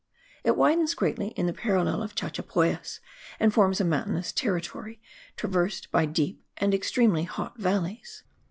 It widens greatly in the parallel of Chachapoyas, and forms a mountainous territory, traversed by deep and extremely hot valleys.